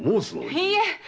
いいえ！